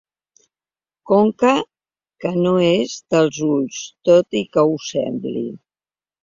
Conca que no és dels ulls, tot i que ho sembli.